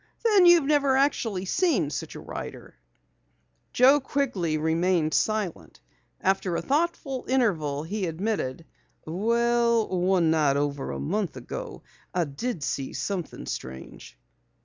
"Then you've never actually seen such a rider?" Joe Quigley remained silent. After a thoughtful interval he admitted: "Well, one night over a month ago, I did see something strange."